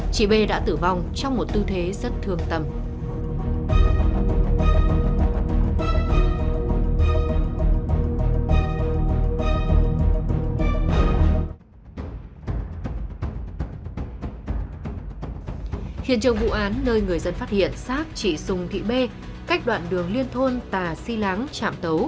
chị b đã tử vong trong một tư thế rất thương tầm